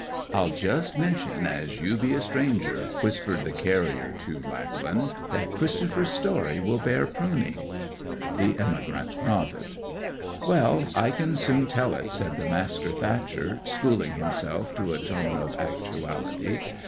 'I'll just mention, as you be a stranger,' whispered the carrier to Lackland, 'that Christopher's stories will bear pruning.' The emigrant nodded. 'Well, I can soon tell it,' said the master thatcher, schooling himself to a tone of actuality.